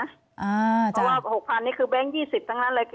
อ่าจ้ะเพราะว่า๖๐๐๐นี่คือแบงค์๒๐ตั้งนั้นเลย